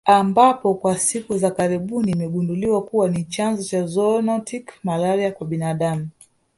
Ambapo kwa siku za karibuni imegunduliwa kuwa ni chanzo cha zoonotic malaria kwa binadamu